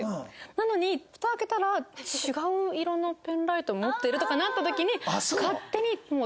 なのにフタ開けたら「違う色のペンライト持ってる？」とかなった時に。